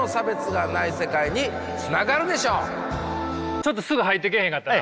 ちょっとすぐ入ってけえへんかったな。